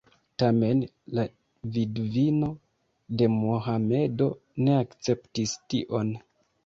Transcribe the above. Tamen la vidvino de Mohamedo ne akceptis tion.